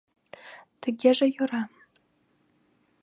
Тыгеже йӧра...